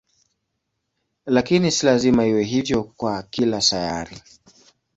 Lakini si lazima iwe hivyo kwa kila sayari.